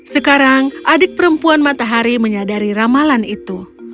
sekarang adik perempuan matahari menyadari ramalan itu